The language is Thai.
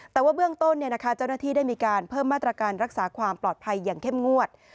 แต่ว่าเบื้องต้นเจ้าหน้าที่ได้มีการเพิ่มมาตรการรักษาความปลอดภัยอย่างเข้มงวด